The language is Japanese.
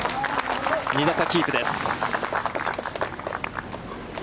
２打差、キープです。